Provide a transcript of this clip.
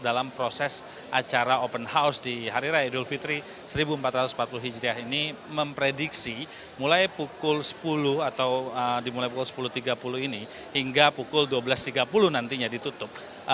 dalam proses acara open house di hari raya idul fitri seribu empat ratus empat puluh hijriah ini memprediksi mulai pukul sepuluh atau dimulai pukul sepuluh tiga puluh ini hingga pukul dua belas tiga puluh nantinya ditutup